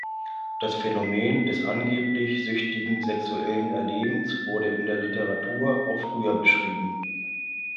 Das Phänomen des angeblich süchtigen sexuellen Erlebens wurde in der Literatur auch früher beschrieben.